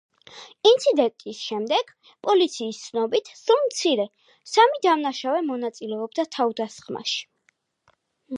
ინციდენტის შემდეგ, პოლიციის ცნობით, სულ მცირე, სამი დამნაშავე მონაწილეობდა თავდასხმაში.